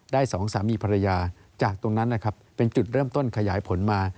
สองสามีภรรยาจากตรงนั้นนะครับเป็นจุดเริ่มต้นขยายผลมา